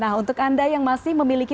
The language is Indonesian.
nah untuk anda yang masih memiliki